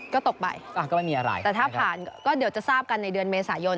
ก็ตกไปก็ไม่มีอะไรแต่ถ้าผ่านก็เดี๋ยวจะทราบกันในเดือนเมษายน